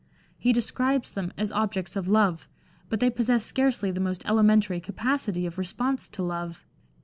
He describes them as objects of love, but they possess scarcely the most elementary capacity of response to love.